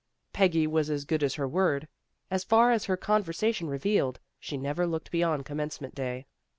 Peggy was as. good as her word. As far as her conversation revealed, she never looked beyond Commencement Day.